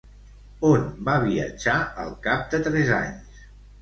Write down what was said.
On va viatjar al cap de tres anys?